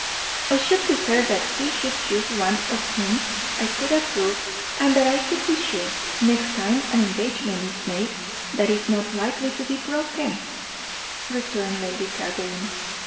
"I should prefer that he should choose one of whom I could approve, and that I could be sure, next time an engagement is made, that it is not likely to be broken," returned Lady Catherine.